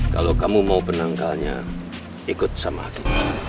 kalau kamu mau penangkalnya ikut sama aku